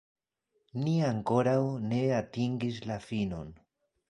Ni ankoraŭ ne atingis la finon.